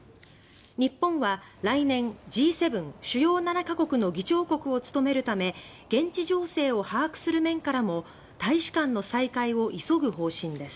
日本は来年、Ｇ７主要７か国の議長国を務めるため現地情勢を把握する面からも大使館の再開を急ぐ方針です。